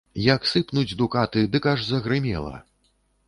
Як сыпнуць дукаты, дык аж загрымела!